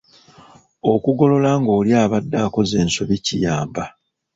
Okugolola ng’oli abadde akoze ensobi kiyamba.